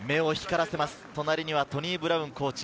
隣はトニー・ブラウンコーチ、